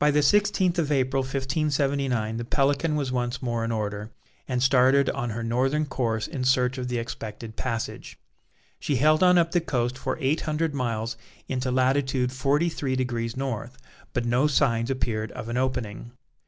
By the sixteenth of April, 1579, the Pelican was once more in order, and started on her northern course in search of the expected passage. She held on up the coast for eight hundred miles into latitude forty three degrees North, but no signs appeared of an opening.